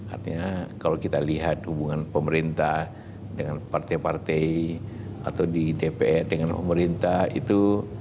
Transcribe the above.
artinya kalau kita lihat hubungan pemerintah dengan partai partai atau di dpr dengan pemerintah itu